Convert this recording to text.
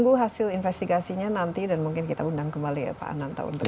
bapak bandara sudah menemukan di bumi kerabateon